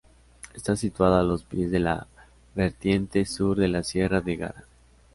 Está situada a los pies de la vertiente sur de la Sierra de Guara.